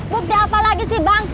bukti apa lagi sih bang